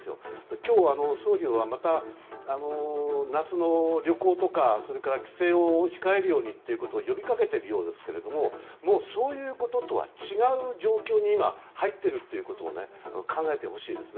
今日は総理はまた夏の旅行とかそれから帰省を控えるようにと呼びかけているようですけれどもそういうこととは違う状況に入っているということを考えてほしいです。